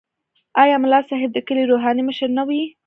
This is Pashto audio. آیا ملا صاحب د کلي روحاني مشر نه وي؟